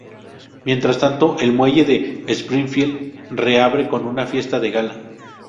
Mientras tanto, el Muelle de Springfield reabre con una fiesta de gala.